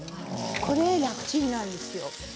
これ、楽ちんなんですよ。